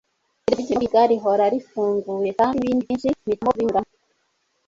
irembo ryubwenge no kwiga rihora rifunguye, kandi nibindi byinshi mpitamo kubinyuramo